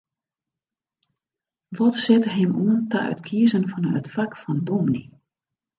Wat sette him oan ta it kiezen fan it fak fan dûmny?